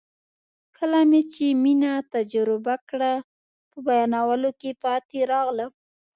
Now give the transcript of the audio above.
کله مې چې مینه تجربه کړه په بیانولو کې پاتې راغلم.